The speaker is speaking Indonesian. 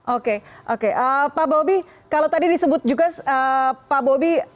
oke oke pak bobi kalau tadi disebut juga pak bobi